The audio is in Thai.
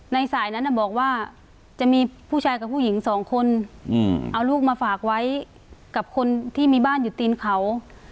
ในสายนั้นบอกว่าจะมีผู้ชายกับผู้หญิงสองคนเอาลูกมาฝากไว้กับคนที่มีบ้านอยู่ตีนเขา